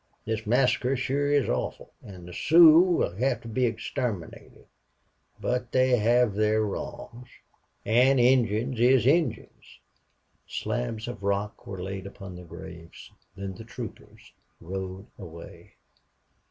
This massacre sure is awful, an' the Sioux will hev to be extarminated. But they hev their wrongs. An' Injuns is Injuns." Slabs of rock were laid upon the graves. Then the troopers rode away.